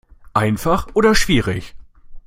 Einfach oder schwierig?